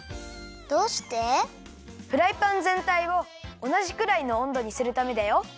フライパンぜんたいをおなじくらいのおんどにするためだよ。